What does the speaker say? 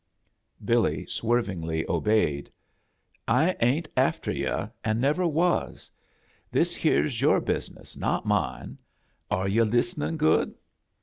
Billy swervingly obeyed. ., "I ain't after yu', and never was. This vKii' {ifr here's yoor business, not mine. Are yo* '# "i"'^ listenin' good?"